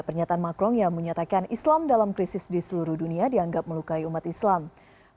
pernyataan macron yang menyatakan islam dalam krisis di seluruh dunia dianggap melukai umat islam